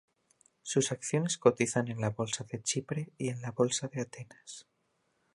Sus acciones cotizan en la bolsa de Chipre y en la bolsa de Atenas.